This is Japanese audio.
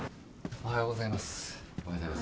おはようございます。